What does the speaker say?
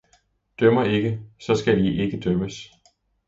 Dømmer ikke, så skal I ikke dømmes!